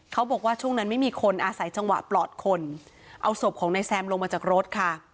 เขาบอกว่าช่วงนั้นไม่มีคนอาศัยจังหวะปลอดคนเอาศพของนายแซมลงมาจากรถค่ะ